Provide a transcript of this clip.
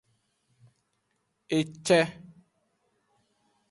Ece.